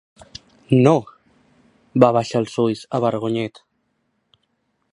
No —va abaixar els ulls, avergonyit—.